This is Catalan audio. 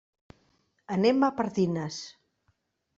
Anem a Pardines.